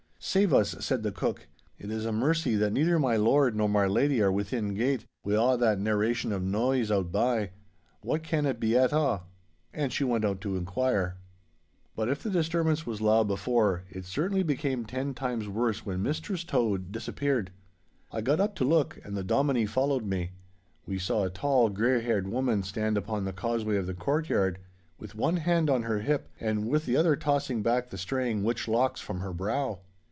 'Save us,' said the cook, 'it is a mercy that neither my lord nor my lady are within gate, wi' a' that narration of noise outbye! What can it be at a'?' And she went out to inquire. But if the disturbance was loud before, it certainly became ten times worse when Mistress Tode disappeared. I got up to look, and the Dominie followed me. We saw a tall, grey haired woman stand upon the causeway of the courtyard, with one hand on her hip, and with the other tossing back the straying witch locks from her brow.